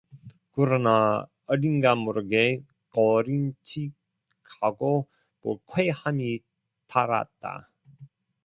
그러나 어딘가 모르게 꺼림칙하고 불쾌함이 따랐다.